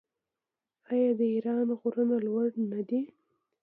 آیا د ایران غرونه لوړ نه دي؟